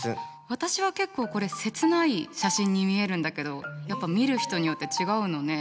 私は結構これ切ない写真に見えるんだけどやっぱ見る人によって違うのね。